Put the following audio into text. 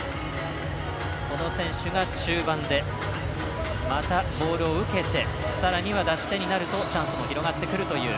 この選手が中盤でまたボールを受けてさらに、出し手になるとチャンスも広がってくるという